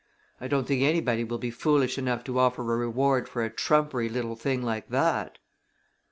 "I don't think anybody will be foolish enough to offer a reward for a trumpery little thing like that."